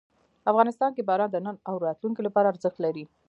افغانستان کې باران د نن او راتلونکي لپاره ارزښت لري.